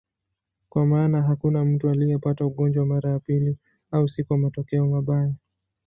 Kwa maana hakuna mtu aliyepata ugonjwa mara ya pili, au si kwa matokeo mbaya.